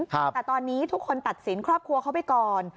แต่ตอนนี้ทุกคนตัดสินครอบครัวเขาไปก่อน